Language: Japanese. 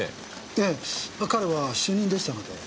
ええ彼は主任でしたので。